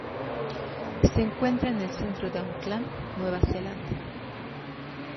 Se encuentra en el centro de Auckland, Nueva Zelanda.